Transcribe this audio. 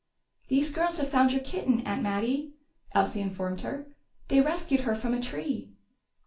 "These girls have found your kitten, Aunt Mattie," Elsie informed her. "They rescued her from a tree."